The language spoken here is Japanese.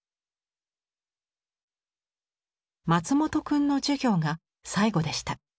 「松本くんの授業が最後でした。